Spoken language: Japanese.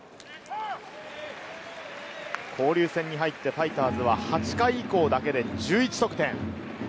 交流戦に入ってファイターズは８回以降だけで１１得点。